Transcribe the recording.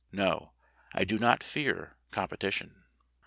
No, I do not fear competition.